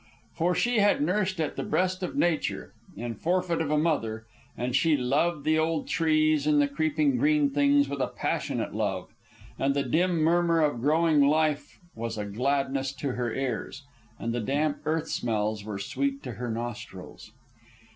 For she had nursed at the breast of nature, in forfeit of a mother, and she loved the old trees and the creeping green things with a passionate love; and the dim murmur of growing life was a gladness to her ears, and the damp earth smells were sweet to her nostrils.